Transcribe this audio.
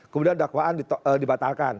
kemudian dakwaan dibatalkan